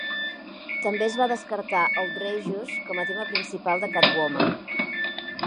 També es va descartar "Outrageous" com a tema principal de 'Catwoman'.